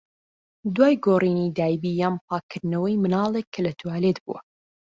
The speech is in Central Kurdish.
دوای گۆڕینی دایبی یان پاکردنەوەی مناڵێک کە لە توالێت بووە.